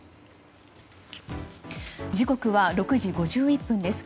時刻は６時５１分です。